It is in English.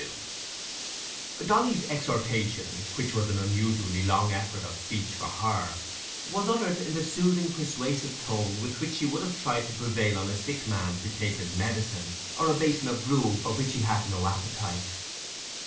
Dolly's exhortation, which was an unusually long effort of speech for her, was uttered in the soothing persuasive tone with which she would have tried to prevail on a sick man to take his medicine, or a basin of gruel for which he had no appetite.